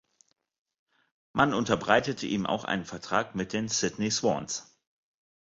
Man unterbreitete ihm auch einen Vertrag mit den Sydney Swans.